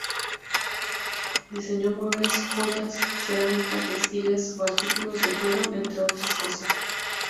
Diseñó muebles, joyas, cerámica, textiles o artículos de cuero, entre otras cosas.